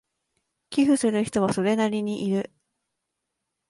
寄付する人はそれなりにいる